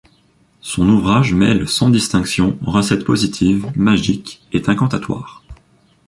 Son ouvrage mêle sans distinction recettes positives, magiques et incantatoires.